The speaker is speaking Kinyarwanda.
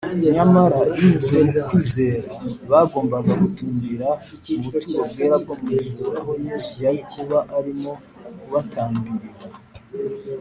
nyamara binyuze mu kwizera, bagombaga gutumbira mu buturo bwera bwo mu ijuru aho yesu yari kuba arimo kubatambirira;